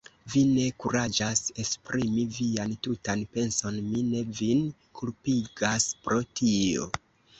Vi ne kuraĝas esprimi vian tutan penson; mi ne vin kulpigas pro tio.